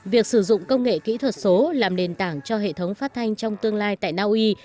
việc sử dụng công nghệ kỹ thuật số làm nền tảng cho hệ thống phát thanh trong tương lai tại naui